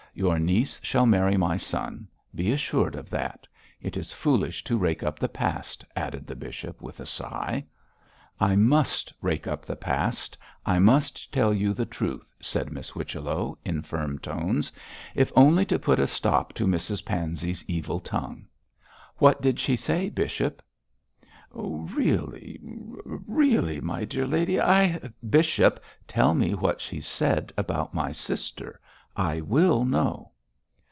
Your niece shall marry my son; be assured of that. It is foolish to rake up the past,' added the bishop, with a sigh. 'I must rake up the past; I must tell you the truth,' said Miss Whichello, in firm tones, 'if only to put a stop to Mrs Pansey's evil tongue. What did she say, bishop?' 'Really, really, my dear lady, I ' 'Bishop, tell me what she said about my sister. I will know.'